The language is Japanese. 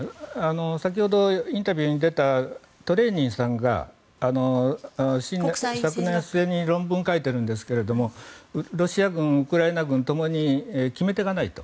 先ほどのインタビューに出たトレーニンさんが、昨年末に論文を書いているんですがロシア軍、ウクライナ軍ともに決め手がないと。